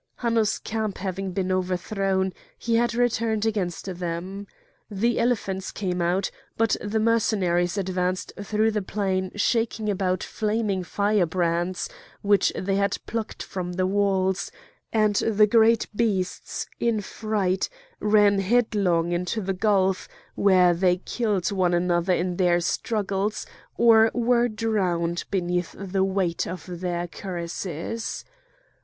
Hanno's camp having been overthrown, he had returned against them. The elephants came out; but the Mercenaries advanced through the plain shaking about flaming firebrands, which they had plucked from the walls, and the great beasts, in fright, ran headlong into the gulf, where they killed one another in their struggles, or were drowned beneath the weight of their cuirasses.